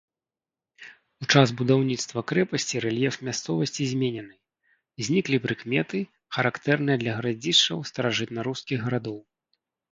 У час будаўніцтва крэпасці рэльеф мясцовасці зменены, зніклі прыкметы, характэрныя для гарадзішчаў старажытнарускіх гарадоў.